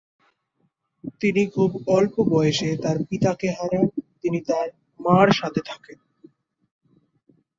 তিনি খুব অল্প বয়সে তার পিতাকে হারান, তিনি তার মার সাথে থাকেন।